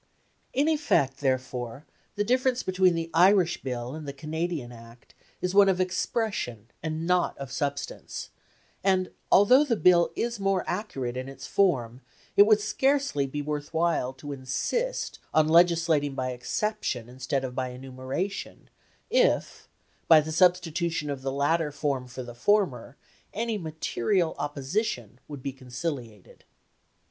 In effect, therefore, the difference between the Irish Bill and the Canadian Act is one of expression and not of substance, and, although the Bill is more accurate in its form, it would scarcely be worth while to insist on legislating by exception instead of by enumeration if, by the substitution of the latter form for the former, any material opposition would be conciliated.